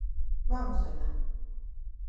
¡Vamos alá!